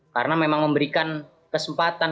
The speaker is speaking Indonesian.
karena memang memberikan kesempatan